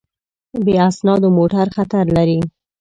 بې اسنادو موټر خطر لري.